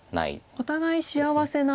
お互い幸せな。